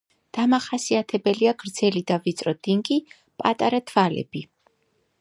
დამახასიათებელია გრძელი და ვიწრო დინგი, პატარა თვალები.